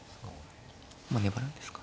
まあ粘るんですか。